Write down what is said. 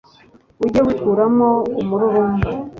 ujye wikuramo umururumba